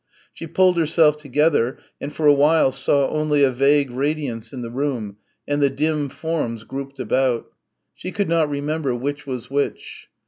She pulled herself together, and for a while saw only a vague radiance in the room and the dim forms grouped about. She could not remember which was which.